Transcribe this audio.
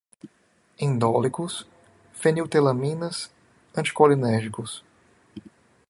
indólicos, feniletilaminas, anticolinérgicos